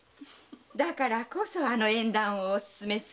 だからこそあの縁談をお勧めするのです。